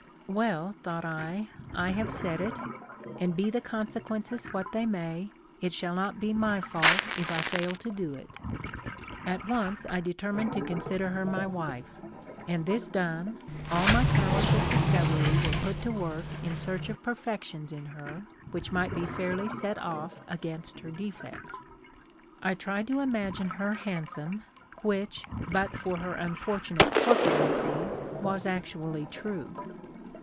' Well,' thought I, 'I have said it, and, be the consequences what they may, it shall not be my fault if I fail to do it.' At once I determined to consider her my wife ; and, this done, all my powers of discovery were put to work in search of perfections in her which might be fairly set off against her defects. I tried to imagine her handsome, which, but for her unfortunate corpu lency, was actually true.